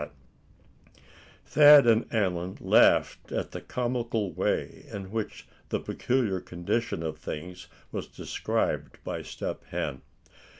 Thad and Allan laughed at the comical way in which the peculiar condition of things was described by Step Hen.